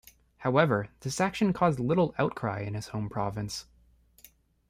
However, this action caused little outcry in his home province.